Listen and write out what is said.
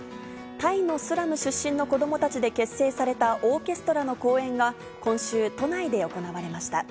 タイのスラム出身の子どもたちで結成されたオーケストラの公演が、今週、都内で行われました。